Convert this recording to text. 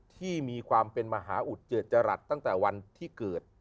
ที่มีความเป็นมหาอุทเจจรัสตั้งแต่วันที่เกิด